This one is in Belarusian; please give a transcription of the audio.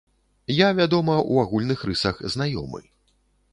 Я, вядома, у агульных рысах знаёмы.